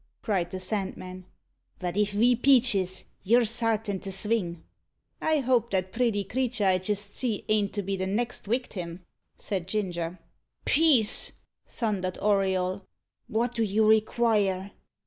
cried the Sandman; "but if ve peaches you're sartin to sving." "I hope that pretty creater I jist see ain't to be the next wictim?" said Ginger. "Peace!" thundered Auriol. "What do you require?"